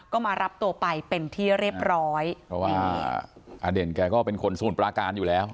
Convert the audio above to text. ก็มารับตัวไปเป็นที่เรียบร้อยเพราะว่าอเด่นแกก็เป็นคนสมุทรปราการอยู่แล้ว